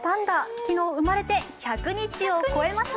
昨日、生まれて１００日を超えました。